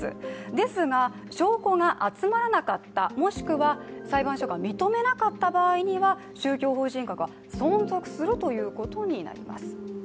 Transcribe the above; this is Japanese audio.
ですが証拠が集まらなかったもしくは裁判所が認めなかった場合には宗教法人格は存続するということになります。